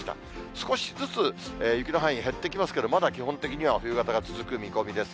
少しずつ雪の範囲、減ってきますけれども、まだ基本的には冬型が続く見込みです。